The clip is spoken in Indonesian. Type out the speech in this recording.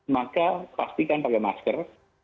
maka pastikan pakai masker